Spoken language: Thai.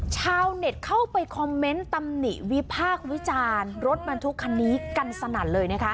ชาวเน็ตเข้าไปคอมเมนต์ตำหนิวิพากษ์วิจารณ์รถบรรทุกคันนี้กันสนั่นเลยนะคะ